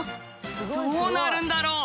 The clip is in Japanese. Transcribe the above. どうなるんだろう？